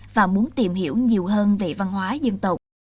và muốn tìm hiểu nhiều hơn về văn hóa dân tộc